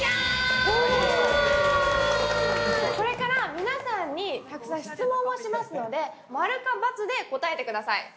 これから皆さんにたくさん質問をしますので○か×で答えてください